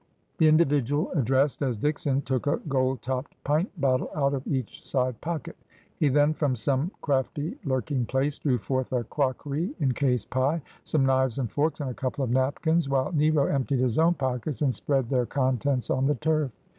The individual addressed as Dickson took a gold topped pint bottle out of each side pocket. He then, from some crafty lurk ing place, drew forth a crockery encased pie, some knives and forks, and a couple of napkins, while Nero emptied his own 'And Volatile, as ay was His Usage.'' 37 pockets, and spread their contents on the turf.